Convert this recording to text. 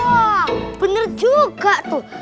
wah bener juga tuh